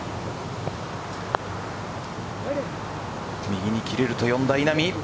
右に切れると読んだ稲見。